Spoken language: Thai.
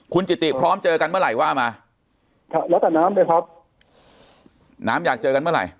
คุณจิติพร้อมเจอกันเมื่อไหร่ว่ามาครับแล้วแต่น้ำเลยครับน้ำอยากเจอกันเมื่อไหร่